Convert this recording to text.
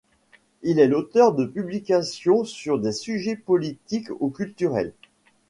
Il est l'auteur de publications sur des sujets politiques ou culturels.